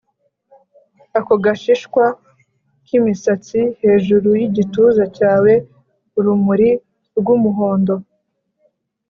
ako gashishwa k'imisatsi hejuru yigituza cyawe - urumuri rwumuhondo;